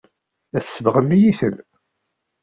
Tsebɣem-iyi-ten.